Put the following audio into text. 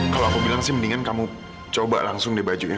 kalau aku bilang sih mendingan kamu coba langsung deh bajunya